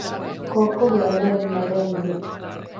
ކޮއްކޮގެ އަޑެއް މަޑެއްނުވި